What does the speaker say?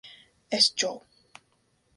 Es Joe.